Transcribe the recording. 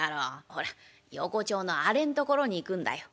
ほら横町のあれんところに行くんだよ。